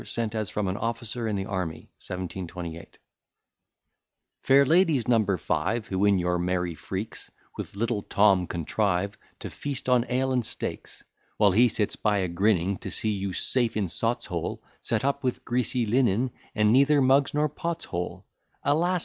SENT AS FROM AN OFFICER IN THE ARMY. 1728 Fair ladies, number five, Who in your merry freaks, With little Tom contrive To feast on ale and steaks; While he sits by a grinning, To see you safe in Sot's Hole, Set up with greasy linen, And neither mugs nor pots whole; Alas!